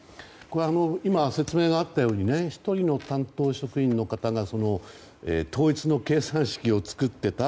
今、説明があったように１人の担当職員の方が統一の計算式を作っていた。